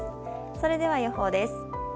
それでは予報です。